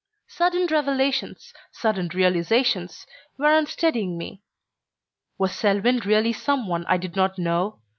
Sudden revelations, sudden realizations, were unsteadying me. Was Selwyn really some one I did not know?